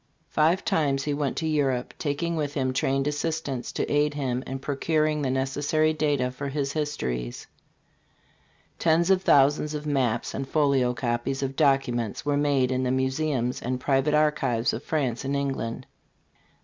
Five times he went to Europe, taking with him trained assistants to aid him in procuring the necessary data for his histories. Tens of thousands of maps and folio copies of documents were made in the museums and public archives of France and England.